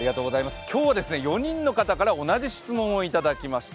今日は４人の方から同じ質問をいただきました。